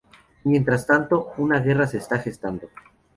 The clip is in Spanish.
Mientras tanto, una guerra se está gestando.